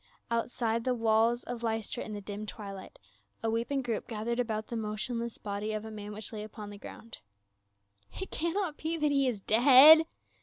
Outside the walls of Lystra in the dim twilight, a weeping group gathered about the motionless body of a man which lay upon the ground. " It cannot be that he is dead